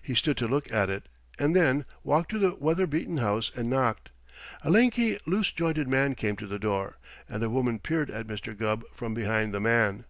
He stooped to look at it, and then walked to the weather beaten house and knocked. A lanky, loose jointed man came to the door, and a woman peered at Mr. Gubb from behind the man.